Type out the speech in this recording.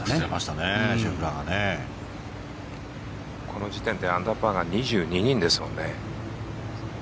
この時点でアンダーパーが２２人ですもんね。